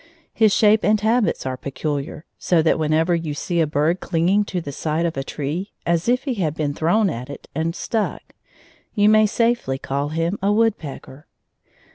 His shape and habits are peculiar, so that whenever you see a bird clinging to the side of a tree "as if he had been thrown at it and stuck," you may safely call him a woodpecker.